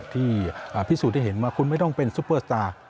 ที่พิสูจน์ให้เห็นว่าคุณไม่ต้องเป็นซุปเปอร์สตาร์